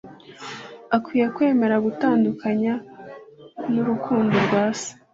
Akwiye kwemera gutandukanywa n'urukundo rwa Se.